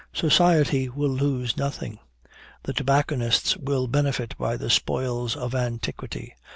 Society will lose nothing: the tobacconists will benefit by the spoils of antiquity.